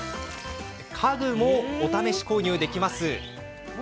家具もお試し購入できます。